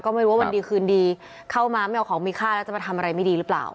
ไม่รู้ว่าวันดีคืนดีเข้ามาไม่เอาของมีค่าแล้วจะมาทำอะไรไม่ดีหรือเปล่า